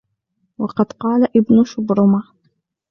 وَقَدْ قَالَ ابْنُ شُبْرُمَةَ